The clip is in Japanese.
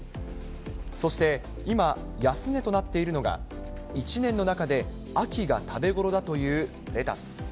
そして、今、安値となっているのが１年の中で秋が食べ頃だというレタス。